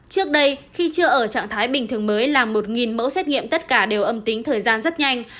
trước đây khi chưa ở trạng thái bình thường mới là một mẫu xét nghiệm tất cả đều âm tính thời gian rất nhanh